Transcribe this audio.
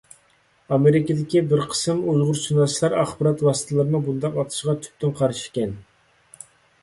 ئامېرىكىدىكى بىر قىسىم ئۇيغۇرشۇناسلار ئاخبارات ۋاسىتىلىرىنىڭ بۇنداق ئاتىشىغا تۈپتىن قارشى ئىكەن.